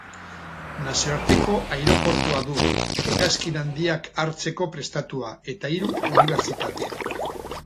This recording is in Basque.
Nazioarteko aireportua du, hegazkin handiak hartzeko prestatua, eta hiru unibertsitate.